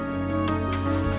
mbak catherine kita mau ke rumah